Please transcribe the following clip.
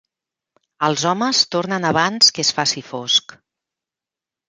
Els homes tornen abans que es faci fosc.